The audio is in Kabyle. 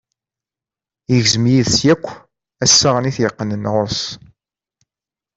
Yegzem yid-s akk assaɣen i t-yeqqnen ɣur-s.